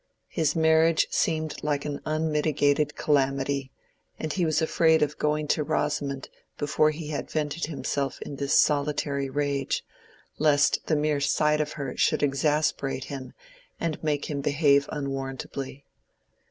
His marriage seemed an unmitigated calamity; and he was afraid of going to Rosamond before he had vented himself in this solitary rage, lest the mere sight of her should exasperate him and make him behave unwarrantably.